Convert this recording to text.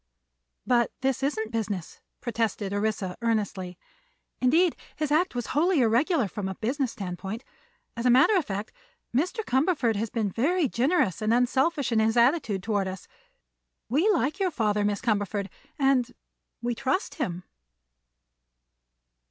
"But this isn't business," protested Orissa, earnestly; "indeed, his act was wholly irregular from a business standpoint. As a matter of fact, Mr. Cumberford has been very generous and unselfish in his attitude toward us. We like your father, Miss Cumberford, and—we trust him."